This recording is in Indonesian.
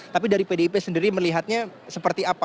tapi dari pdip sendiri melihatnya seperti apa